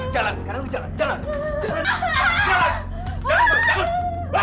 jalan sekarang lu jalan jalan